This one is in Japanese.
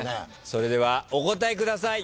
それではお答えください。